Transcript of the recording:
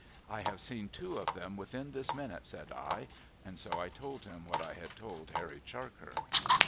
* I have seen two of them within this minute,' said I. And so I told him what I had told Harry Charker.